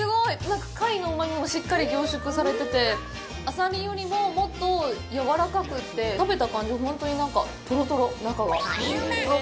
なんか貝のうまみもしっかり凝縮されててあさりよりも、もっとやわらかくて食べた感じ、ほんとにとろとろ、中が。